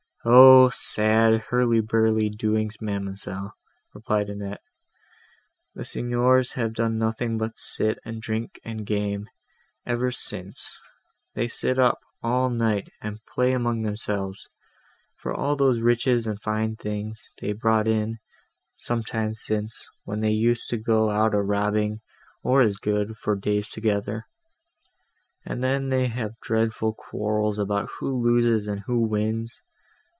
"O! sad hurly burly doings, ma'amselle," replied Annette; "the Signors have done nothing but sit and drink and game, ever since. They sit up, all night, and play among themselves, for all those riches and fine things, they brought in, some time since, when they used to go out a robbing, or as good, for days together; and then they have dreadful quarrels about who loses, and who wins.